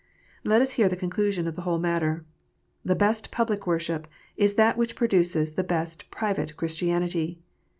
Let us hear the conclusion of the whole matter. The best public worship is that which produces the best private Chris tianity.